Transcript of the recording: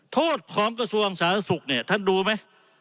โทษของกระทรวงสารสุขท่านดูไหม